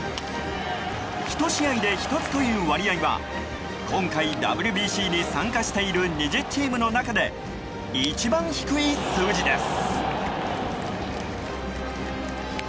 １試合で１つという割合は今回ＷＢＣに参加している２０チームの中で一番低い数字です。